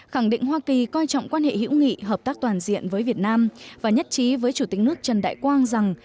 khẳng định hoa kỳ coi trọng quan hệ hữu nghị hợp tác toàn diện với việt nam và nhất trí với chủ tịch nước trần đại quang rằng